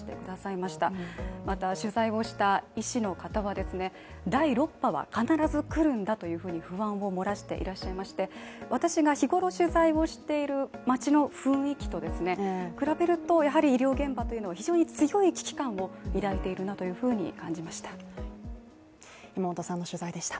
また取材をした医師の方はですね、第六波は必ず来るんだというふうに不安を漏らしていらっしゃいまして、私が日ごろ取材をしている街の雰囲気と比べるとやはり医療現場というのは非常に強い危機感を抱いているなというふうに感じました。